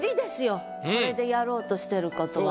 これでやろうとしてることは。